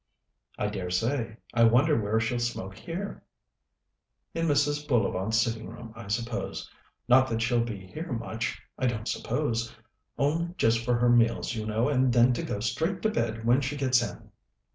"I dare say. I wonder where she'll smoke here?" "In Mrs. Bullivant's sitting room, I suppose. Not that she'll be here much, I don't suppose. Only just for her meals, you know, and then to go straight to bed when she gets in."